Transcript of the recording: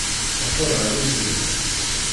Teqqel ɣer usegnaf.